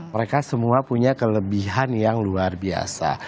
mereka semua punya kelebihan yang luar biasa